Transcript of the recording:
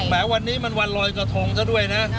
แม้วันนี้มันวันลอยกระทงซะด้วยนะ